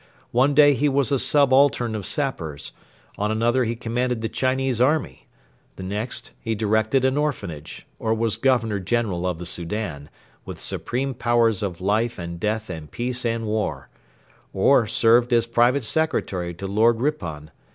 One day he was a subaltern of sappers; on another he commanded the Chinese army; the next he directed an orphanage; or was Governor General of the Soudan, with supreme powers of life and death and peace and war; or served as private secretary to Lord Ripon.